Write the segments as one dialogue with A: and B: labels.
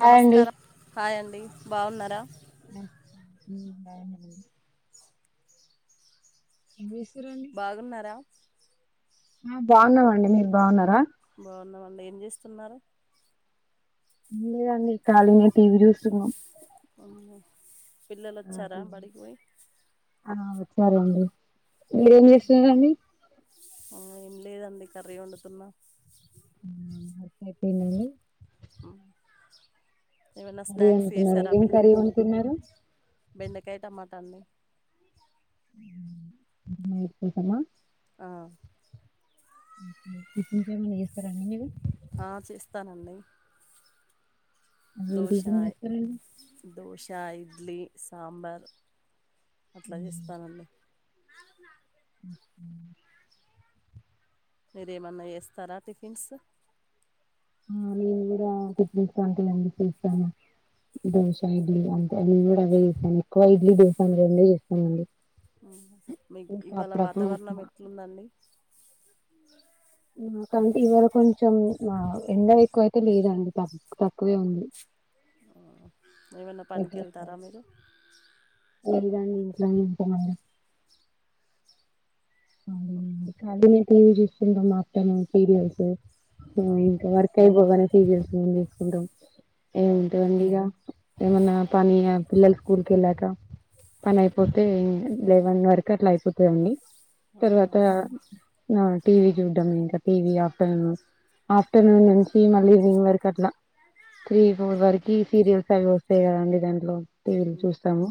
A: Hi అండి
B: నమస్కారం hi అండి బాగున్నారా
A: ఉమ్ బాగున్నా మీరు ఏం జేస్
B: బాగున్నారా
A: ఆ బాగున్నామండి మీరు బాగున్నారా
B: బాగున్నామండి ఏం జేస్తున్నారు
A: ఏం లేదండి ఖాళీనే టీవి జూస్తున్నం
B: అమ్మో పిల్లలు
A: ఆ
B: వచ్చారా
A: టీవీ
B: బడికి పోయి
A: ఆ ఒచ్చరండి వేళ్ళు ఏం చేస్తురండి
B: ఆ ఏం లేదండి కర్రి ఒండుతున్న
A: ఊమ్ ఓకే టెన్ అండీ
B: ఉమ్ ఏమైనా
A: కర్రీ
B: స్నాక్స్
A: వండుకున్నారా
B: ఏసారా
A: ఏం కర్రీ
B: పిల్లలకి
A: వండుకున్నారు
B: బెండకాయ టమా ట అండి
A: [unintelligible]
B: ఆ
A: ఓకే టిపున్స్ ఏమన్నా జెస్తారండీ మీరు
B: ఆ చేస్తానండి
A: ఏం టిఫిన్ జేస్తరండీ
B: శా ఇడ్లీ సాంబార్ అట్ల జెస్తానండి
A: ఉహు
B: మీరు ఏమన్నా ఏస్తారా టిఫిన్సు
A: ఆ నేను గుడ టిపిన్స్ అంతేనండి చేస్తాను దోశ ఇడ్లీ అంటే అ గూడా అవే చేస్తాను ఎక్కువ ఇడ్లీ దోశ అవి రెండే చేస్తానండి
B: అవునా మీక్
A: ఇంకా
B: ఇవాళ
A: అప్పుడప్పుడు
B: వాతావరణం
A: ఉప్మా
B: ఎట్లుందండి
A: ఆ కంటి ఇవాళ కొంచం మా ఎండ ఎక్కువయి తే లేదండి పాపం తక్కువే ఉంది
B: ఏమన్నా పనికి
A: రెగ్యులర్
B: ఎళ్తారా
A: కాదు.
B: మీరు
A: లేదండి ఇంట్లోనే ఉంటామండి
B: ఓహొ
A: టీవిజూసుకుంట మా అత్తమ్మ సీరియల్స్ ఇంగ
B: అవునా
A: [unintelligible] [unintelligible]
B: అవునా
A: ఏముంటాందండి ఇగ ఏమన్నా పని పిల్లలు స్కూల్ కెళ్ళాక పని అయిపోతే లేవన్ వర క అట్లా అయిపోతదండి
B: అవునా
A: నవును టీవీ జూడ్దమ్ ఇంక టీవీ ఆఫ్టర్నూను ఆఫ్టర్నూన్ నుంచి మళ్ళీ ఈవినింగ్ వరకు అట్ల న త్రీ ఫోర్ వరకి సీరియల్స్ అవి వస్తాయి గదండి దాంట్లో టీవీలు
B: ఉమ్.
A: చూస్తాము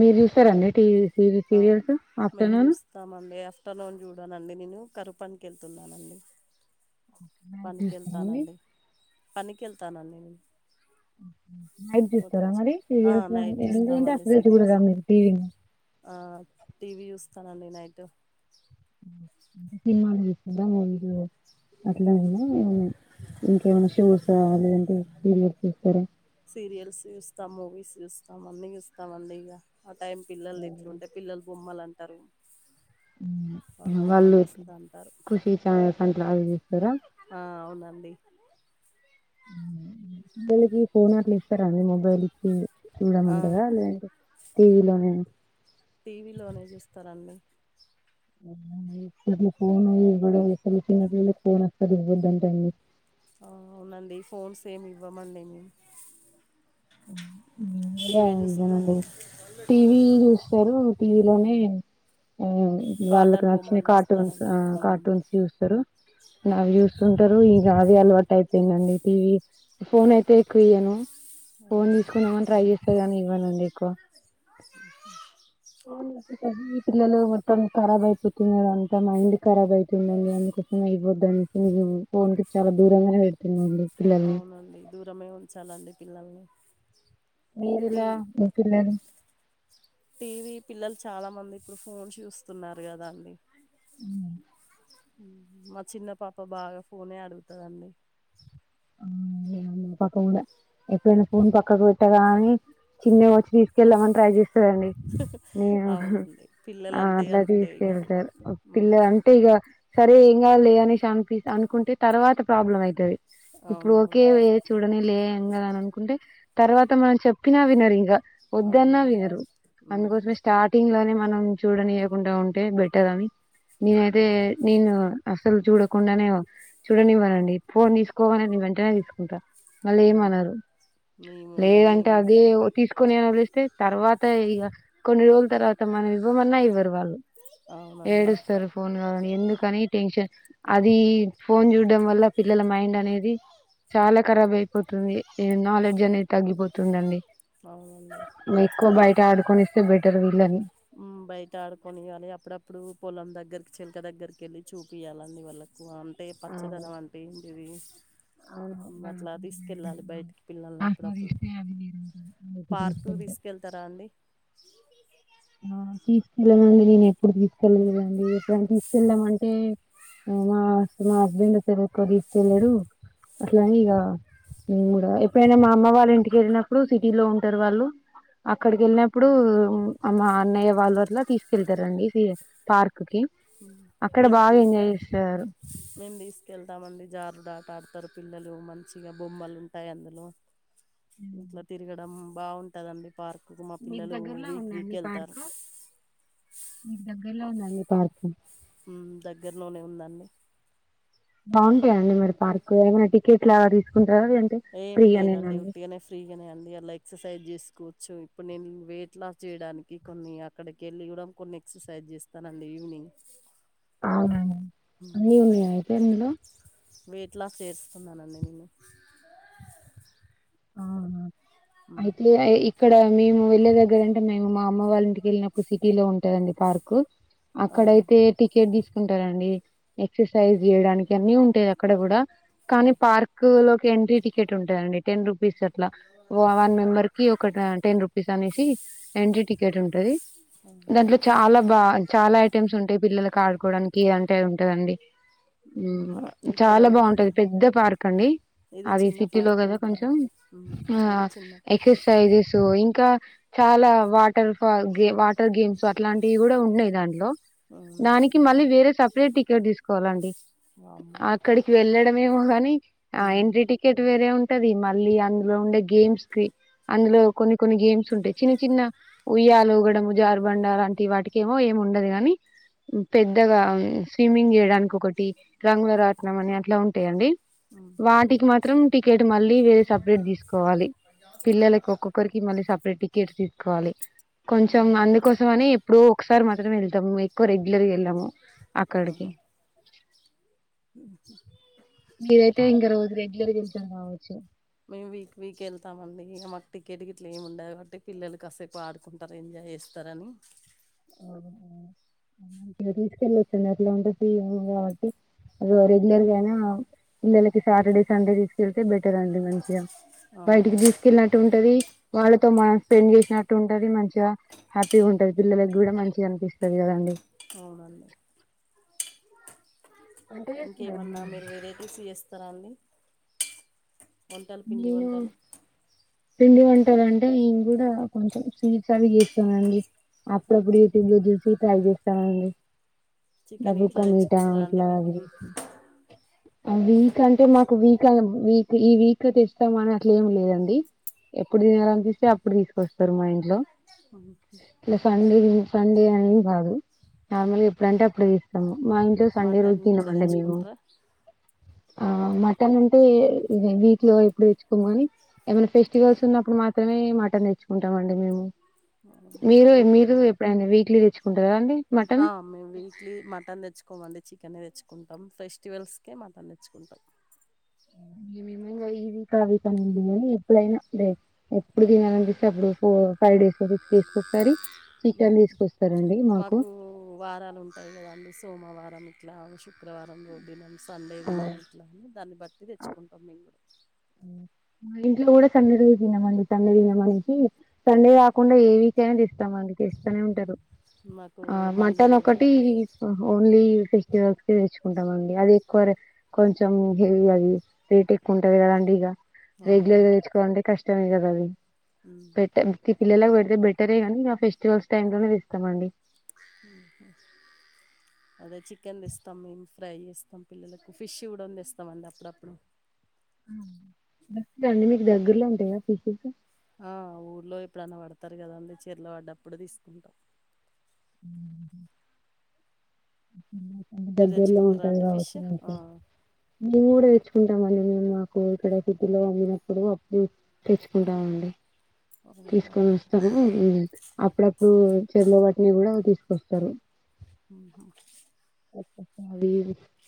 A: మీరు జూస్తారండి టీవీ సీరియల్సు ఆఫ్టర్నూనూ
B: స్తామండి ఆఫ్టర్నూన్ జూడనండి నేను కరుపనికి ఎళ్తున్నానండి
A: నైట్
B: పనికి
A: చూస్తారండి
B: ఎళ్తానండి పనికి ఎళ్తానండి నేను
A: నైట్
B: వచ్చి
A: జుస్తారా మరి
B: ఆ,
A: సీరియల్సు
B: నైట్
A: అన్ని లేదంటే అసలే జూడర మీరు టీవీ ను
B: ఆ టీవీ జూస్తానండి నైటు
A: అంటే సినిమాలు జుస్తార మీరు అట్లావేనా ఇంకేమన్నా షోసా లేదంటే సీరియల్స్ చూస్తారా
B: సీరియల్స్ జుస్తామ్ మూవీస్ చూస్తాం అన్ని చూస్తాండి ఇక ఆ టైం పిల్లలు ఎట్లుంటే పిల్లలు బొమ్ మ్మలంటరు
A: ఉ వాళ్ళు
B: అంటారు
A: కుషీ చానల్స్ అట్లావి
B: ఆ అవునండి
A: వీల్లకి ఫోన్ అట్ల ఇస్తారా అండి మొబైల్ ఇచ్చి చూడ మంటరా లేదంటే టీవీలోనే
B: టీవీలో లోనే జూస్తారండి
A: అవునా ఇప్పుడుకి ఫోను ఇవ్వడం యసలికి చిన్న పిల్లలకి ఫోన్ అస్సలు ఇవ్వద్దంటండి
B: ఆఅవునండి ఫోన్స్ ఏమి ఇవ్వమండి మేము
A: వీళ్ళు గుడా
B: టీవీ
A: అంతే నండి
B: చూస్తారండి
A: టీవీ జూస్తారు ఇగ టీవీ లోనే ఆవ్ వాళ్ళకి
B: కాటన్
A: నచ్చిన
B: బొమ్మలు
A: కార్టూన్సు
B: చూస్తారండి
A: ఆ
B: ఉమ్,
A: కార్టూన్స్ చుస్తారు నావి జూస్తుంటరు ఇగ అవే అలవాటు అయిపోయిందండి టీవీ ఫోన్ అయితే ఎక్కువ ఇయ్యను ఫోన్
B: అవునా
A: తీసుకుందామని ట్రై జేస్తార్ గానీ ఇవ్వనండి ఎక్కువ
B: ఉహు
A: ఫోనిచ్చి చదువె పిల్లలు మొత్తం ఖరాబ్ అయిపోతున్నారు అంత మైండు ఖరాబ్ అయితుందండి అందుకు కోసమె ఇవ్వద్దనేసి నేను ఫోన్ కి చాలా దూరంగా పెడుతున్నా అండి
B: అవునండి దూరమే ఉంచాలండి పిల్లల్ని టీ
A: మీరిలా మీ పిల్లలు
B: టీవీ పిల్లలు చాలా మంది ఇప్పుడు ఫోన్స్ చూస్తున్నారు కదా అండి
A: అ
B: మా చిన్న పాప బాగా ఫోనే అడుగుతాదండి
A: ఆ ఏముంది పక్క కూడా ఎప్పుడు ఫోన్ పక్కకు పెట్టగాని చిన్నగా వచ్చి తీసుకెళ్దామని ట్రై చేస్ చేస్తదా అండి నేను
B: అవునండి
A: ఆ
B: పిల్లలంటే
A: అట్లా
B: అంతే ఇగ
A: తీసుకెళ్తారు పిల్లలు అంటే ఇగ సరే ఏం కాలే అనేసి అనిపి అనుకుంటే తర్వాత ప్రాబ్లం అయితది ఇప్పుడు ఓకే
B: అవునవును
A: చూడని లే ఏం కదా అని అనుకుంటే తర్వాత మనం చెప్పినా వినర్ ఇగ వద్దన్న
B: అవునండి
A: వినరు
B: ఉమ్,
A: అందుకోసమే స్టార్టింగ్ లోనే మనం చూడనియకుండా ఉంటే బెట్టర్ అని నేనైతే నేను అసలు చూడకుండానే చూడనివ్వనండి ఫోన్ తీసుకోవాల వెంటనే తీసుకుంటా మళ్ళ
B: అవునా
A: ఏమన్నారు
B: మేము ఇగ
A: లేదంటే
B: మేము
A: అదే తీసుకు కొన్ని వదిలేస్తే తర్వాత ఇక కొన్ని రోజుల తర్వాత మనం ఇవ్వమన్నా ఇవ్వరు వాళ్ళు
B: ఆ
A: ఏడుస్తారు ఫోన్ కావని ఎందుకని టెన్షన్ అది ఫోన్ చూడడం వల్ల పిల్లల మైండ్ నేది చాలా కరాబ్ అయిపోతుంది నాలెడ్జ్ అనేది తగ్గిపోతుందండి
B: అవునండి
A: మేక్కువ బయట ఆడుకొని ఇస్తే బెటర్ వీళ్ళని
B: హమ్ బయట ఆడుకోనియ్యాలి అప్పుడప్పుడు పొలం దగ్గరికి చేలక దగ్గరికి వెళ్ళి చూపియాలీ అన్ని వాళ్ళకు అంటే
A: అవును
B: పచ్చదనం అంటే ఇవి
A: అవును వాళ్ళ
B: మట్లా
A: కొంచెం
B: తీసుకెళ్ళాలి బయటికి పిల్లల్ని అప్పుడప్పుడు
A: ఆస్వాదిస్తే అది
B: పార్కు
A: వేరుంటుంది
B: తీసుకెళ్తారా అండి
A: ఆ తీసుకెళ్ళనండి నేను ఎప్పుడు తీసుకెళ్లలేదండి ఎప్పుడైనా తీసుకెళ్తాము అంటే మా మా హస్బెండ్ ఒత్తే ఎక్కువ తీసుకెళ్లాడు అట్లానే ఇగ ఎప్పుడైనా మా అమ్మ వాళ్ళ ఇంటికి వెళ్ళినప్పుడు సిటీలో ఉంటారు వాళ్ళు అక్కడికి
B: మ్మ్.
A: వెళ్ళినప్పుడు మా అన్నయ్య వాళ్ళు అట్ల తీసుకెళ్తారండి పార్క్ కి అక్కడ
B: మేము
A: బాగా ఎంజాయ్ చేస్తారు
B: క వెళ్తామండి జారుడా తాతరు పిల్లలు మంచిగా బొమ్మలు ఉంటాయి అందులో
A: హ్మ్.
B: ఇట్లా తిరగడం బాగుంటదండి పార్కు కు మా
A: మీకు
B: పిల్లలు
A: దగ్గరలో
B: వీక్ వీక్
A: ఉందాండి
B: వెళ్తారు
A: అలా ఉందండి పార్కు
B: దగ్గరలోనే ఉందండి
A: బాగుంటాయండి మరి పార్క్ ఏమైనా టికెట్ లా తీసుకు
B: ఏం లేదండి ఉట్టుగానే ఫ్రీగానే అండి అలా ఎక్సర్సైజ్ చేసు కూర్చు ఇప్పుడు నేను వెయిట్ లాస్ చేయడానికి కొన్ని అక్కడికి వెళ్ళి ఇవ్వడం కొన్ని ఎక్సర్సైజ్ చేస్తానండి ఈవినింగ్
A: అవునా అండి అన్ని ఉన్నాయి అయితే అందులో
B: వెట్ లాస్ చేస్తున్నానండి నేను ఉమ్.
A: అయితే ఈ ఇక్కడ మేము వెళ్ళే దగ్గర అంటే మేము మా అమ్మ వాళ్ళ ఇంటికెళ్లినప్పుడు సిటీ లో ఉంటదండి పార్క్ అక్కడ
B: అవును
A: అయితే టికెట్ థిస్ తీంటారండి ఎక్సర్సైజ్ చేయడానికి అన్ని ఉంటాయి అక్కడ కూడా కానీ
B: ఉమ్,
A: పార్క్ లో ఎంట్రీ టికెట్ ఉంటది అండి టెన్ రూపీస్ అట్లా వన్ మెంబర్ కి ఒక టెన్ రుపీస్ అనేసి ఎంట్రీ టికెట్ ఉంటది
B: అవును.
A: దాంట్లో చాలా బాగ చాలా ఐటమ్స్ ఉంటాయి పిల్లలకి ఆడుకోవడానికి అంటే ఉంటదండి
B: ఉమ్, ఇక్కడ
A: చాలా
B: కూడా
A: బాగుంటది పెద్ద పార్క్ అండి
B: ఇది
A: అది
B: చిన్న
A: సిటీ లో
B: పార్కే
A: కదా
B: అండి
A: కొంచెం
B: మ్మ్
A: ఆ
B: ఇది చిన్న పార్కే
A: ఎక్సర్సైజెస్ ఇంకా చాల వాటర్ ఫాల్ వాటర్ గేమ్స్ అట్లాంటివి కూడ ఉన్నాయి దాంట్లో
B: అవునా
A: దానికి మళ్ళీ వేరే సపరేట్ టికెట్ తీసుకోవాలండి
B: వామ్మో
A: అక్కడికి వెళ్ళడేమో గాని ఆ
B: మ్మ్
A: ఎంట్రీ టికెట్ వేరే ఉం టాది మళ్ళీ అందులో ఉండే గేమ్స్ కి అందులో కొన్ని కొన్ని గేమ్స్ ఉంటాయి చిన్న చిన్న ఉయ్యాలుగడ జారుబండాల అంట వాటికేమో ఏమి ఉండదు గాని పెద్దగా స్విమ్మింగ్ చేయడానికి ఒకటి రంగుల రాటనం అని అట్లా ఉంటాయండి
B: మ్మ్
A: వాటికి మాత్రం టికెట్ మళ్ళీ వేరే సపరేట్ తీసుకు కోవాలి పిల్లలకి ఒక్కొక్కరికి మళ్ళీ సపరేట్ టికెట్స్ తీసుకోవాలి కొంచెం
B: అవునా
A: అందుకోసం అని ఎప్పుడు ఒకసారి మాత్రమే వెళ్తాము ఎక్కువ రెగ ఇలరిగ ఏళ్లము అక్కడికి
B: అ
A: మీరైతే ఇంకా రోజు రెగ్యులర్ [unintelligible] కావచ్చు
B: మేము వీక్ వీక్ వెళ్తామండి ఇక మాకు టికెట్ గిట్ల ఏమి ఉండదు కాబట్టి పిల్లలు కాసేపు ఆడుకుంటారు ఎంజాయ్ చేస్తారని
A: తీసుకెళ్ళ వచ్చండి ఎట్లా ఉంటే ఫ కాబట్టి అ రెగ్యులర్ గానే అయినా పిల్లలకి సాటర్డే సండే తీసుకెళ్తే బెటర్ అండి మంచిగా బయటికి
B: అవునవును
A: తీసుకెళ్ళినట్టు ఉంటది వాళ్ళతో మనం స్పెండ్ చేసినట్టు ఉంటది మంచిగా హ్యాపీగా ఉంటది పిల్లల కూడ మంచిగా అనిపిస్తుంది కదండి
B: అవునండి
A: వంట చేస్తున్నారండి
B: ఇంకేమన్నా మీరు వేరేతేసి వస్తారా అండి వంటలు
A: మీరు
B: పిండి
A: నేను
B: వంటలు
A: పిండి వంటలు అంటే నేం కూడ కొంచెం స్వీట్స్ అవి చేస్తానండి అప్పుడప్పుడు యూట్యూబ్ లో చూసి ట్రై చేస్తామండి
B: చికెన్ ఇట్లా తెచ్చుకుంటారా అండి వీక్ వీక్
A: [unintelligible] వీక్ అంటే మాకు వీక్ వీక్ ఈ వీక్ అ తెస్తామని అట్లు ఏమి లేదండి ఎప్పుడు తినాల అనిపిస్తే అప్పుడు తీసుకొస్తారు మా ఇంట్లో ఇలా సండే సండే అనేది కాదు నార్మల్గా ఎప్పుడంటే అప్పుడు తీస్తాము మా ఇంట్లో సండే రోజు
B: మటన్ ఇట్లా
A: తినమండి మేము
B: తెచ్చుకుంటారా
A: ఆ మటన్ అంటే ఇ లో ఎప్పుడు తెచ్చుకో కాని ఏమైనా ఫెస్టివల్స్ ఉన్నప్పుడు మాత్రమే మటన్ తెచ్చుకుంటాం అండి మేము మీరు
B: ఓ
A: మీరు ఎప్పుడైనా వీట్లీ తెచ్చుకుంటారా అండి
B: ఆ
A: మటన్
B: వీట్లీ మటన్ తెచ్చుకో చ మక్కనే తెచ్చుకుంటాం ఫెస్టివల్స్కే మటన్ తెచ్చుకుంటాం
A: ఈ వీక్ ఆ వీక్ అనిండి అని ఎప్పుడైనా అే ఎప్పుడు దీని అని అనిపిస్తే అప్పుడు ఫోర్ ఫైవ్ డేస్ అ తీసుకుసారి
B: మాకు వారాలు ఉంటాయి కదండి సోమవారం ఇట్లా [unintelligible] శుక్రవారం రో తినం సండే తినం ఇట్లా అని దాన్ని బట్టి తెచ్చుకుంటాం మింగడు
A: మా ఇంట్లో కూడ రోజు రోజు తినంమండి సండే తినమనేనికి సండే కాకుండా ఏవకైనా తీస్తామండి చేస్తనే ఉంటారు
B: ఉమ్. మాకు
A: ఆ
B: మండే
A: మటన్
B: రోజు
A: ఒకటి ఓన్లీ సిక్స్స్ తెచ్చుకుంటాండి అది ఎక్కువ కొంచెం హెవీ అది రేట్ ఎక్కువ ఉంటుంది అలాంటి లర్గా
B: అవునవును
A: తెుంటే కష్టమే కదా
B: ఉమ్.
A: అది పిల్లలా పెడితే బెటరే గాక ఫెస్టివల్స్ టైంలోనే ఇస్తామండి
B: అ అదే చికెన్ ఇస్తాం మేము ఫ్రై చేస్తాం పిల్లలకు ఫిష్ ఇవ్వడం ఇస్తామ అండి అప్పుడప్పుడు
A: బండి మీకు దగ్గర్లో ఉంటాయా ఫిజస్
B: ఆ ఊర్లో ఎప్పుడన్నా పడతారు కదా అందుకే చీరలో పడ్డప్పుడు తీసుకుంటాం
A: అ
B: మీరు
A: దగ్గరలో
B: తెచ్చుకుంటారా
A: ఉంటాది
B: అండి ఫిష్
A: కావసం నుంచి నే కూడ తెకుంటామ అని మేము మాకు ఇక్కడ సిద్ధలో వండినప్పుడు అప్పుడు తెచ్చుకుంటామండి
B: అవునా
A: తీసుకొని వస్తాము అప్పుడప్పుడు చెరుల వాటిని కూడా తీసుకొస్తారు అవి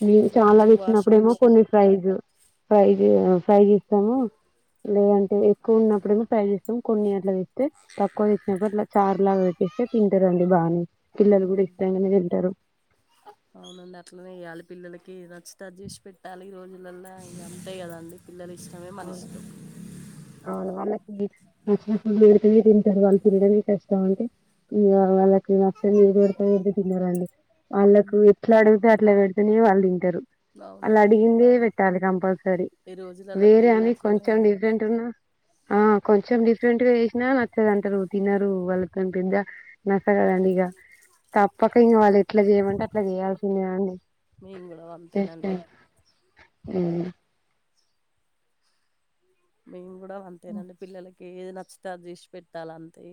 A: న చాలా
B: ఫ్రిడ్జ్ వాషింగ్
A: ఇచ్చినప్పుడేమో
B: మిషిన్
A: కొన్ని ప్రైజు ఫైవ ఫ్రై్ చే ఇస్తాము లేదంటే ఎక్కువ ఉన్నప్పుడమ టై చేస్తాం కొన్ని అట్లా వేస్తే తక్కువ వేసినప్పుడు అట్లా చార్ లాగా పెట్టి స్తే తింటారుండి బాగానే పిల్లలు కూడా
B: అవును
A: ఇష్టంగానే తింటారు
B: అవునండి అట్లనే వయాలి పిల్లలకి నచ్చుతాారు చేసి పెట్టాలి ఈ రోజు పిల్లల ఇ అంతాయి కదండి పిల్లల ఇష్టమే మన ఇష్టం
A: చ్చ వేడి తింటారు వాళ్ళు తినడానికి కష్టం అంటే ఇ వాళ్ళకి నచ్చ డతంట తిన్నారండి వాళ్ళలకు
B: ఉమ్,
A: ఎట్లా అడిగితే అట్లా పెడితేనే వాళ్ళు అలా
B: అవునండి
A: అడిగిందే పెట్టాలి కంపల్సరీ
B: ఈ రోజులల్ల
A: వేరే
B: పిల్లలు
A: అని
B: అట్లనే
A: కొంచెం
B: ఉన్నారు
A: డిఫరెంట్ ఉన్నా ఆ కొంచెం డిఫరెంట్ గా వసినా నచ్చదు అంటారు తిినరు వాళ్ళ పెద్ద నస కదండి ఇక తప్పక ఇంక వాళ్ళు ఎట్లా చేయమంటే అట్లా చేయాల్సిందేండి
B: మేము కూడా అంతేనండి
A: అవు
B: మేము కూడా అంతేనండి పిల్లలకి ఏది నచ్చి అ చేసి పెట్టాలి అంతే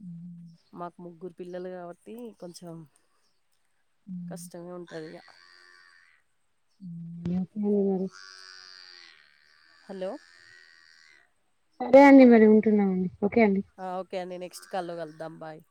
A: ఉ
B: మాకు ముగ్గురు పిల్లలు కాబట్టి కొంచెం కష్టమే ఉంటుంది
A: కేర
B: హలో
A: సరే అండి మరి ఉంటున్నామండి ఓకే అండి
B: ఆ ఓకే అడి నెక్స్ట్ కాల్ లో కలుద్దాం బాయి